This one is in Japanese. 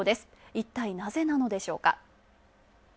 いったいなぜなのでしょうか。